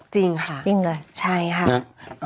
จริงค่ะจริงเลยใช่ค่ะ